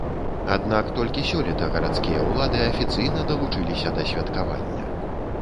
Аднак толькі сёлета гарадскія ўлады афіцыйна далучыліся да святкавання.